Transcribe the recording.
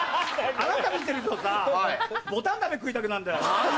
あなた見てるとさぼたん鍋食いたくなるんだよ。